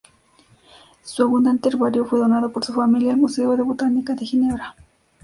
Su abundante herbario fue donado por su familia al Museo de Botánica de Ginebra.